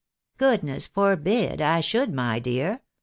" Goodness forbid, I should, my dear